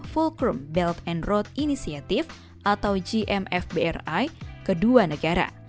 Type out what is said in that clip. fulcrum belt and road initiative atau gmf bri kedua negara